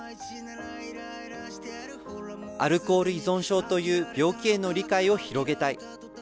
アルコール依存症という病気への理解を広げたい。